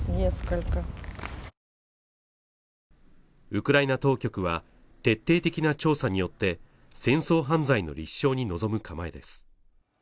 ウクライナ当局は徹底的な調査によって戦争犯罪の立証に臨む構えです